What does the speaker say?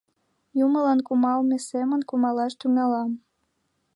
Юмылан кумалме семын кумалаш тӱҥалам...